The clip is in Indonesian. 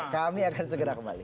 kami akan segera kembali